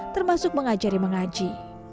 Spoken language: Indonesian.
termasuk mengajari mengaji